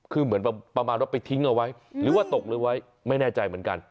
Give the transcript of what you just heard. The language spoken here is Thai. คือเหมือนแบบประมาณว่าไปทิ้งเอาไว้หรือว่าตกหรือไว้ไม่แน่ใจเหมือนกัน